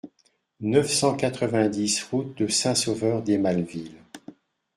neuf cent quatre-vingt-dix route de Saint-Sauveur d'Emallevill